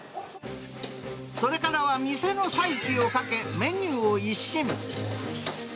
それからは店の再起をかけ、メニューを一新。